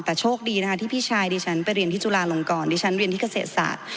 แต่โชคดีนะคะที่พี่ชายดิฉันไปเรียนที่จุฬาลงกรดิฉันเรียนที่เกษตรศาสตร์